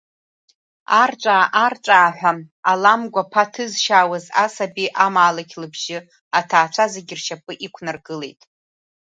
Арҵәаа-арҵәааҳәа ала амгәа аԥа ҭызшьаауаз асаби амаалықь лыбжьы аҭаацәа зегьы ршьапы иқәнаргылеит.